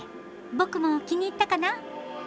ボクも気に入ったかな？